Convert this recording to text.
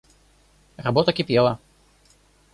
Работа кипела.